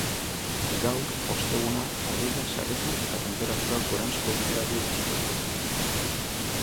Gaur, osteguna, hodeiak saretu eta tenperaturak goranzko bideari eutsiko dio.